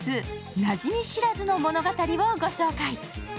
「馴染み知らずの物語」をご紹介。